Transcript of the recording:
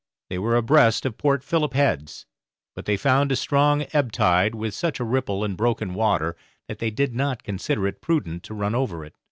they were abreast of Port Philip Heads; but they found a strong ebb tide, with such a ripple and broken water that they did not consider it prudent to run over it.